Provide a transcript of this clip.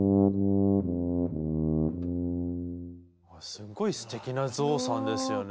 すっごいすてきな「ぞうさん」ですよね。